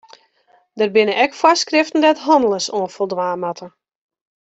Der binne ek foarskriften dêr't hannelers oan foldwaan moatte.